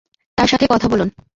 তার সাথে কথা বলুন।